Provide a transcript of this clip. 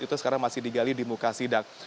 itu sekarang masih digali di muka sidang